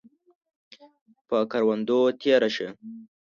پۀ کروندو تیره شه